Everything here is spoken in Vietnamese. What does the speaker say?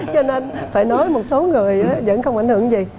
cho nên phải nói một số người vẫn không ảnh hưởng gì